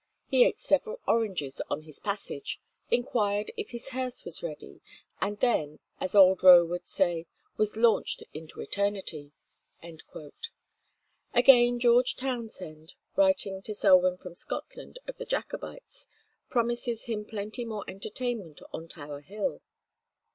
He ate several oranges on his passage, inquired if his hearse was ready, and then, as old Rowe would say, was launched into eternity." Again George Townshend, writing to Selwyn from Scotland of the Jacobites, promises him plenty more entertainment on Tower Hill.